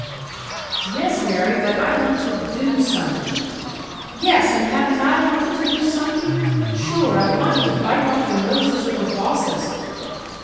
"Yes, Mary; but I want to do something " "Yes, and haven't I wanted to do something? Sure, I've wanted to bite off the noses of the bosses!"